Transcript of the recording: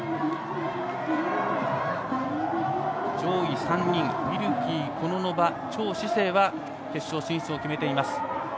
上位３人ウィルキー、コノノバ、趙志清は決勝進出を決めています。